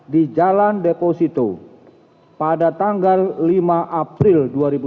di jalan deposito pada tanggal lima april dua ribu dua puluh